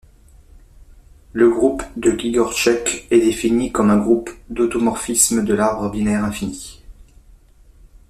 Le groupe de Grigorchuk est défini comme un groupe d'automorphismes de l’arbre binaire infini.